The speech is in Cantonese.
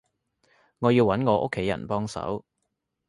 我要揾我屋企人幫手